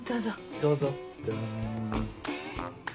どうぞ。